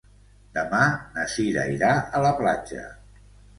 Demà na Sira irà a la platja.